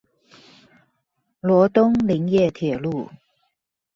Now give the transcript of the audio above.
羅東林業鐵路